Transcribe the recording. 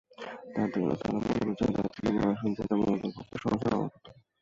তাঁরা মনে করছেন, দার্জিলিং আসন জেতা মমতার পক্ষে সহজ না-ও হতে পারে।